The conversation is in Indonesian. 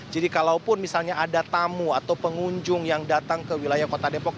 jadi kalaupun misalnya ada tamu atau pengunjung yang datang ke wilayah kota depok